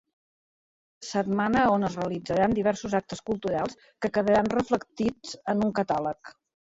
Setmana a on es realitzaran diversos actes culturals que quedaran reflectits en un catàleg.